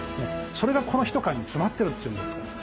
それがこの一缶に詰まってるっていうんですから。